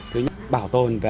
thứ nhất bảo tồn về